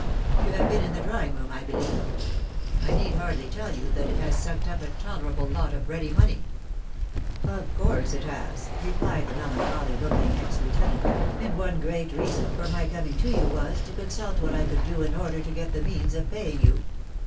You have been in the drawing room, I believe ; I need hardly tell you that it has sucked up a tolerable lot of ready money." " Of course it has," rephed the melancholy looking ex heutenant, " and one great reason for my coming to you was, to consult what I could do in order to get the means of paying you.